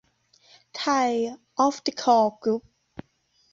ไทยออพติคอล กรุ๊ป